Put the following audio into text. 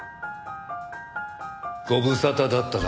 ご無沙汰だったな。